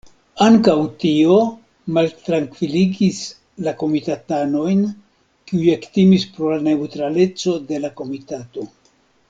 Ankaŭ tio maltrankviligis la komitatanojn, kiuj ektimis pri la neŭtraleco de la komitato.